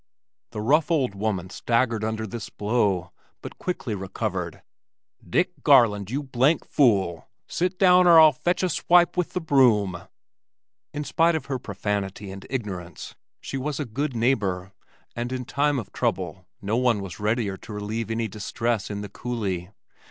The rough old woman staggered under this blow, but quickly recovered. "Dick Garland, you blank fool. Sit down, or I'll fetch you a swipe with the broom." In spite of her profanity and ignorance she was a good neighbor and in time of trouble no one was readier to relieve any distress in the coulee.